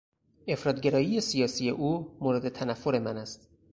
افراط گرایی سیاسی او مورد تنفر من است.